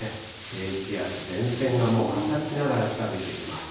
低気圧、前線がもう発達しながら近づいてきます。